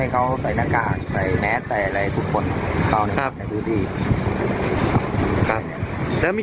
ให้เขาใส่หน้ากากใส่แม็ดใส่อะไรทุกคนเข้าในพื้นที่